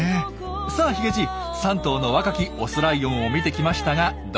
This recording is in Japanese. さあヒゲじい３頭の若きオスライオンを見てきましたがどうでしたか？